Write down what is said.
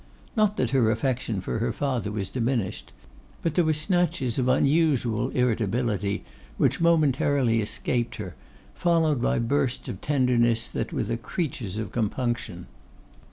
Not that her affection for her father was diminished, but there were snatches of unusual irritability which momentarily escaped her, followed by bursts of tenderness that were the creatures of compunction.